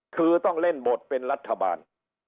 คือต้องเล่นบทเป็นรัฐบาล